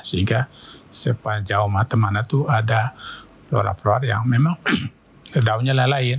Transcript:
sehingga sepanjang mata mana tuh ada warna telur yang memang daunnya lain lain